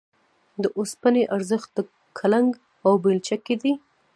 د اوسپنې ارزښت په کلنګ او بېلچه کې دی